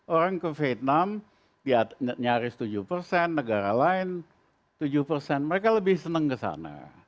orang ke vietnam nyaris tujuh persen negara lain tujuh persen mereka lebih senang ke sana